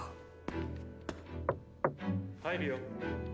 ・入るよ。